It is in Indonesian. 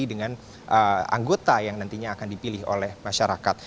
dengan anggota yang nantinya akan dipilih oleh masyarakat